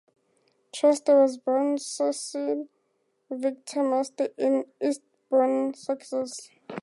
Chester was born Cecil Victor Manser in Eastbourne, Sussex.